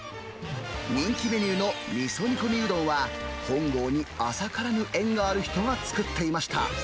人気メニューの味噌煮込みうどんは、本郷に浅からぬ縁がある人が作っていました。